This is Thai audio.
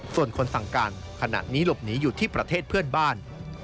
ส่วนคนสั่งการขณะนี้หลบหนีอยู่ที่ประเทศเพื่อนบ้าน